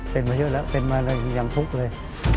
เพราะมันเป็นมาอย่างทุกข์เลย